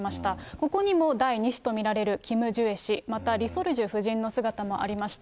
ここにも第２子と見られるキム・ジュエ氏、またリ・ソルジュ夫人の姿もありました。